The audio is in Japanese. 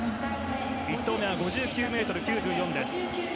１投目は５９ｍ９４です。